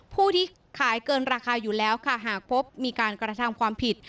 ผู้ที่ขายเกินราคาอยู่แล้วค่ะหากพบมีการกระทำความผิด